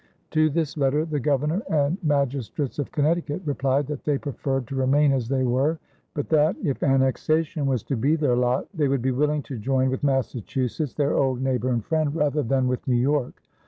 To this letter, the Governor and magistrates of Connecticut replied that they preferred to remain as they were, but that, if annexation was to be their lot, they would be willing to join with Massachusetts, their old neighbor and friend, rather than with New York.